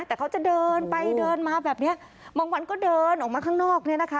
แต่เขาจะเดินไปเดินมาแบบเนี้ยบางวันก็เดินออกมาข้างนอกเนี่ยนะคะ